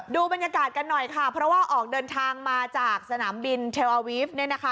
ดูบรรยากาศกันหน่อยค่ะเพราะว่าออกเดินทางมาจากสนามบินเทลอาวีฟเนี่ยนะคะ